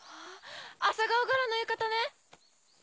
朝顔柄の浴衣ね！